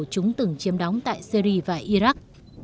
chúng từng chiếm đóng tại syria và iraq